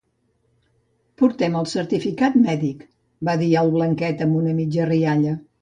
Portem el certificat mèdic —va dir el Blanquet amb una mitja rialla.